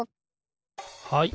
はい。